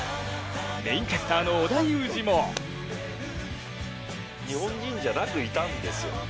メインキャスターの織田裕二も日本人じゃなくいたんですよ。